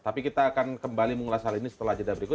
tapi kita akan kembali mengulas hal ini setelah jeda berikut